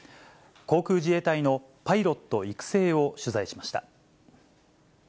航空自衛隊のパイロット育成を取材しました。